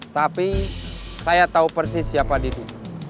tapi saya tahu persis siapa didu